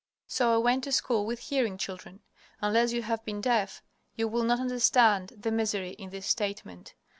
So I went to school with hearing children. Unless you have been deaf, you will not understand the misery in this statement.